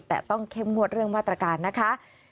แต่ต้องเข้มงวดเรื่องมาตรการนะคะ